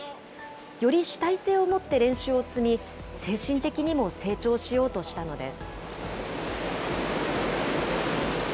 より主体性を持って練習を積み、精神的にも成長しようとしたのです。